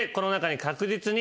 確実に。